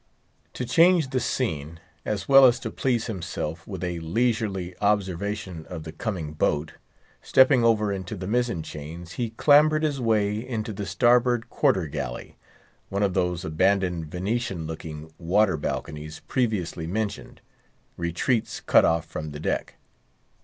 To change the scene, as well as to please himself with a leisurely observation of the coming boat, stepping over into the mizzen chains, he clambered his way into the starboard quarter gallery—one of those abandoned Venetian looking water balconies previously mentioned—retreats cut off from the deck.